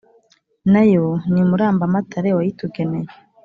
Nayo ni Mburamatare wayitugeneye